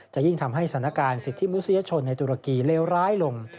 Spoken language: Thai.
จะยิ่งทำให้สถานการณ์สิทธิมนุษยชนในตุรกีเลวร้ายลง